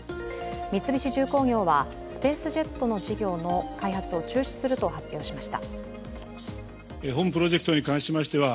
三菱重工業はスペースジェットの事業の開発を中止すると発表しました。